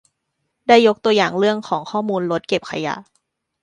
ได้ยกตัวอย่างเรื่องของข้อมูลรถเก็บขยะ